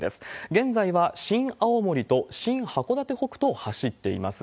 現在は新青森と新函館北斗を走っています。